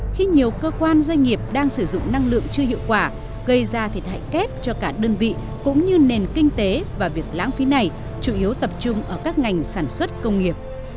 khi nhiều cơ quan doanh nghiệp đang sử dụng năng lượng chưa hiệu quả gây ra thiệt hại kép cho cả đơn vị cũng như nền kinh tế và việc lãng phí này chủ yếu tập trung ở các ngành sản xuất công nghiệp